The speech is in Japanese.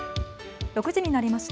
６時になりました。